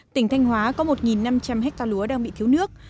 tỉnh thanh hóa có một năm trăm linh hectare lúa đang bị thiếu nước